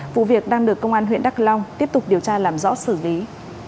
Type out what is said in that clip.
vụ việc đang được công an huyện đắk long tiếp tục điều tra làm rõ xử lý